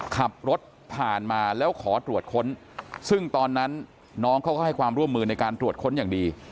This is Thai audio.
ขับรถผ่านมาแล้วขอตรวจค้นซึ่งตอนนั้นน้องเขาก็ให้ความร่วมมือในการตรวจค้นอย่างดี